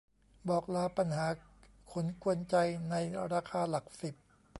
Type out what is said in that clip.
บอกลาปัญหาขนกวนใจในราคาหลักสิบ